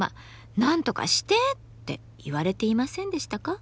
「なんとかして！」って言われていませんでしたか？